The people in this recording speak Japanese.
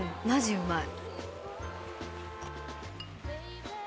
うまい？